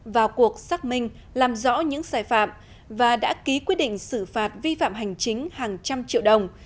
vào cuộc xác minh làm rõ những sai phạm và đã ký quyết định xử phạt vi phạm hành chính hàng trăm triệu đồng